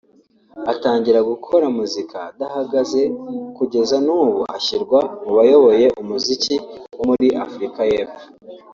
atangira gukora muzika adahagaze kugeza n’ubu ashyirwa mu bayoboye umuziki wo muri Afurika y’Epfo